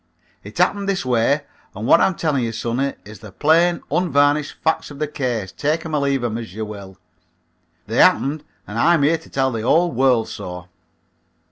It happened this way and what I'm telling you, sonny, is the plain, unvarnished facts of the case, take 'em or leave 'em as you will. They happened and I'm here to tell the whole world so."